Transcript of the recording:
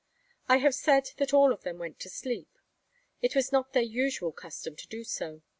I have said that all of them went to sleep. It was not their usual custom to do so.